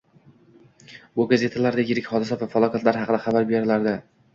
Bu gazetalarda yirik hodisa va falokatlar haqida xabar berilardi